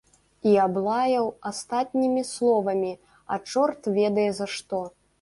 І аблаяў астатнімі словамі, а чорт ведае за што.